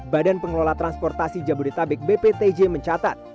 badan pengelola transportasi jabodetabek bptj mencatat